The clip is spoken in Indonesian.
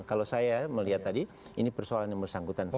kalau saya melihat tadi ini persoalan yang bersangkutan saja